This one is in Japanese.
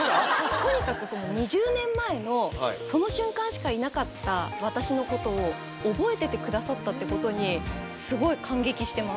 とにかく２０年前の、その瞬間しかいなかった私のことを覚えててくださったということに、すごい感激してます。